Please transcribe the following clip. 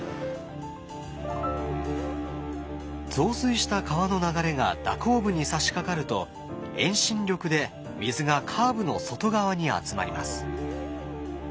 増水した川の流れが蛇行部にさしかかると遠心力で水がカーブの外側に集まります。